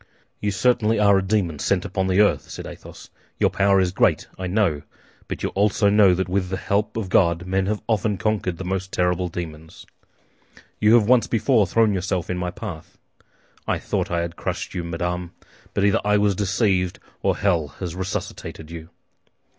"You certainly are a demon sent upon the earth!" said Athos. "Your power is great, I know; but you also know that with the help of God men have often conquered the most terrible demons. You have once before thrown yourself in my path. I thought I had crushed you, madame; but either I was deceived or hell has resuscitated you!"